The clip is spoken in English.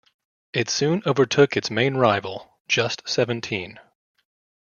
It soon overtook its main rival, Just Seventeen.